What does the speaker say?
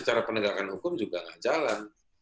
jadi penegakan hukum juga nggak jalan